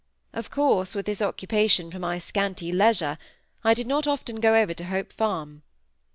Of course, with this occupation for my scanty leisure, I did not often go over to Hope Farm.